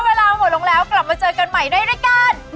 เวลาหมดลงแล้วกลับมาเจอกันใหม่ด้วยรายการ